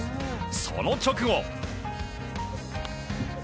その直後。